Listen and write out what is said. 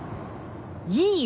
いいよ。